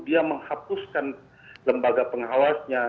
dia menghapuskan lembaga pengawasnya